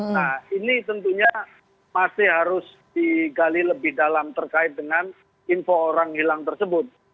nah ini tentunya masih harus digali lebih dalam terkait dengan info orang hilang tersebut